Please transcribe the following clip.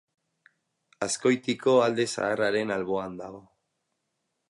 Azkoitiko Alde Zaharraren alboan dago.